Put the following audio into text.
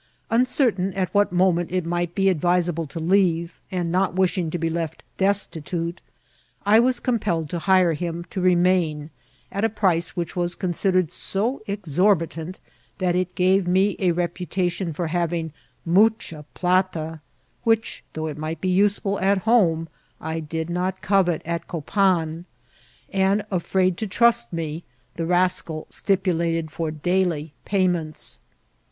Uncertain at what moment it might be advisable to leave, and not wishing to be left destitute, I was com pelled to hire him to remain, at a price which was con sidered so exorbitant that it gave me a reputation for having ^^mucha plata," which, though it might be useftd at home, I did not covet at Copan ; and, afraid to trust me, the rascal stipulated for daily payments.